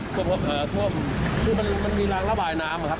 ท่วมเอ่อท่วมคือมันมันมีรางระบายน้ำครับ